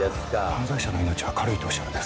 犯罪者の命は軽いとおっしゃるんですか？